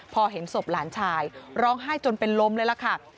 พอเห็นศพหลานชายร้องไห้จนเป็นลมเลยล่ะค่ะ